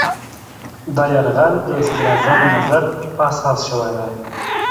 دا یرغل د صدراعظم نظر په اساس شوی دی.